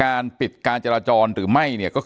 อย่างที่บอกไปว่าเรายังยึดในเรื่องของข้อ